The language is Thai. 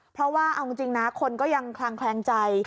เพราะว่าเอาจริงนะคนก็ยังคลางแคลงใจ